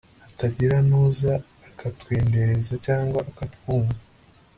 hatagira nuza akatwendereza cyangwa akatwumva